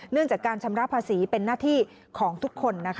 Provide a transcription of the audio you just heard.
เรื่องจากการชำระภาษีเป็นหน้าที่ของทุกคน